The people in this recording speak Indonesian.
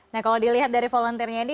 nah kalau dilihat dari volunteer nya ini